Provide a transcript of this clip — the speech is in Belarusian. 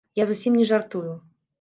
Я зусім не жартую.